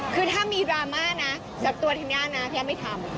คือถ้ามีดราม่านะแต่ตัวทำงานนะพี่ยังไม่ทำ